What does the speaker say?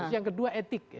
yang kedua etik ya